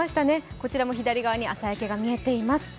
こちらも左側に朝焼けが見えています。